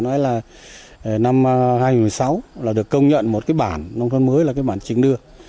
năm hai nghìn một mươi sáu là được công nhận một cái bản nông thôn mới là cái bản trình đưa